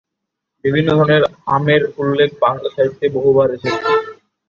বিভিন্ন ধরনের আমের উল্লেখ বাংলা সাহিত্যে বহুবার এসেছে।